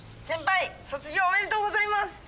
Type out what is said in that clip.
先輩卒業おめでとうございます！